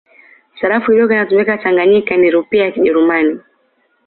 Sarafu iliyokuwa inatumika Tanganyika ni Rupia ya Kijerumani